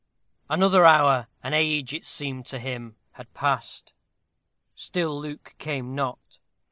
Another hour an age it seemed to him had passed. Still Luke came not.